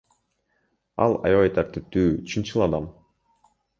Ал аябай тартиптүү, чынчыл адам.